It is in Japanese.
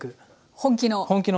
本気の。